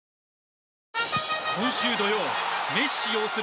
今週土曜、メッシ擁する